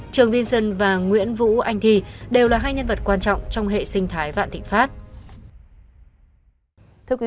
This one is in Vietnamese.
trường vinh sơn và nguyễn vũ anh thi đều là hai nhân vật quan trọng trong hệ sinh thái vạn thịnh phát